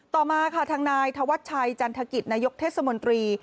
ต่อมาค่ะทางนายธวัชชัยจันทกิจนายกเทศมนตรี